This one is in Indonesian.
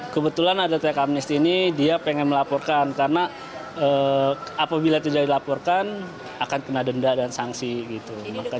kebetulan ada tek amnest ini dia pengen melaporkan karena apabila tidak dilaporkan akan kena denda dan sanksi gitu